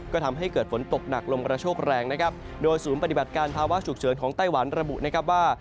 ก็ทำให้เกิดฝนตกหนักลมกระโชคแรงนะครับโดยศูนย์ปฏิบัติการภาวะฉุกเฉินของไต้หวันระบุนะครับว่า